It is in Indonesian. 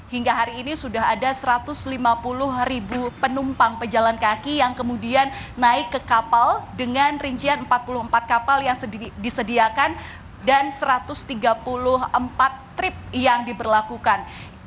hingga hari ini sudah ada satu ratus lima puluh ribu penumpang pejalan kaki yang kemudian naik ke kapal dengan rincian empat puluh empat kapal yang disediakan dan satu ratus tiga puluh empat trip yang diberlakukan